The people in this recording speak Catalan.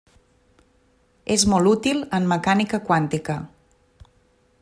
És molt útil en mecànica quàntica.